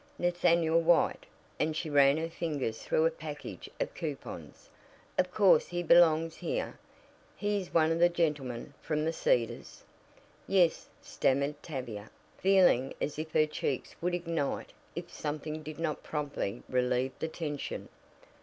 Nathaniel White," and she ran her fingers through a package of coupons. "Of course, he belongs here. He is one of the gentlemen from The Cedars?" "Yes," stammered Tavia, feeling as if her cheeks would ignite if something did not promptly relieve the tension.